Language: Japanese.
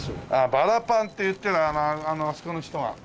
バラパンって言ってたあそこの人が。